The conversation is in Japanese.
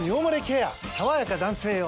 さわやか男性用」